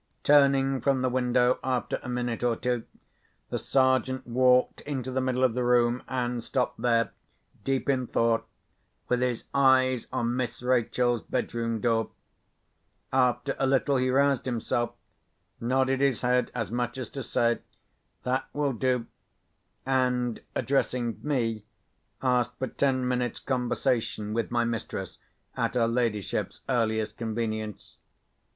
Turning from the window, after a minute or two, the Sergeant walked into the middle of the room, and stopped there, deep in thought, with his eyes on Miss Rachel's bedroom door. After a little he roused himself, nodded his head, as much as to say, "That will do," and, addressing me, asked for ten minutes' conversation with my mistress, at her ladyship's earliest convenience.